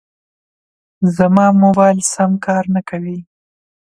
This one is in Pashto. زما موبایل سم کار نه کوي.